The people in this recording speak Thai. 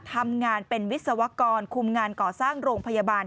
ทำงานเป็นวิศวกรคุมงานก่อสร้างโรงพยาบาล